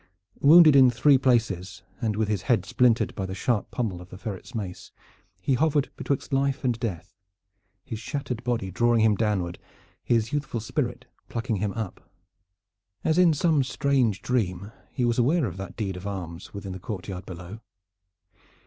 Wounded in three places, and with his head splintered by the sharp pommel of the Ferret's mace, he hovered betwixt life and death, his shattered body drawing him downward, his youthful spirit plucking him up. As in some strange dream he was aware of that deed of arms within the courtyard below.